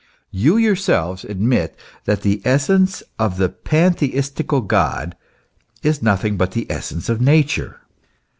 You yourselves admit that the essence of the pantheistical God is nothing but the essence of Nature.